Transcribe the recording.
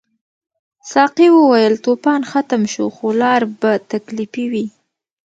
ساقي وویل طوفان ختم شو خو لار به تکلیفي وي.